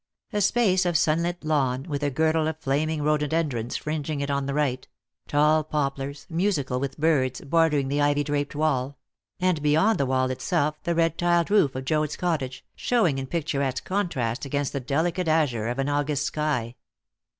A space of sunlit lawn, with a girdle of flaming rhododendrons fringing it on the right; tall poplars, musical with birds, bordering the ivy draped wall; and beyond the wall itself the red tiled roof of Joad's cottage, showing in picturesque contrast against the delicate azure of an August sky.